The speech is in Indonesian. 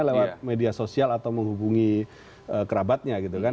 lewat media sosial atau menghubungi kerabatnya gitu kan